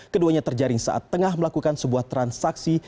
keduanya terjaring saat tengah melakukan sebuah transaksi